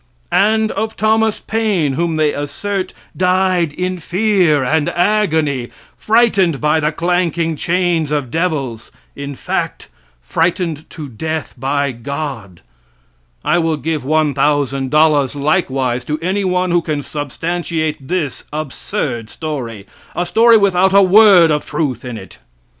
And of Thomas Paine, whom they assert died in fear and agony, frightened by the clanking chains of devils, in fact, frightened to death by God I will give $1,000 likewise to anyone who can substantiate this absurd story a story without a word of truth in it.